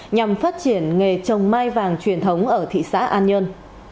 nhằm phát triển nghề trồng mai vàng truyền thống ở thị xã an nhơn